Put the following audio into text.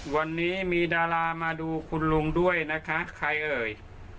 วันนี้มีดารามาดูคุณลุงด้วยนะคะใครเอ่ย